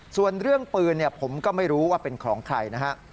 ส่วนเรื่องปืนผมก็ไม่รู้ว่าเป็นของใครนะฮะ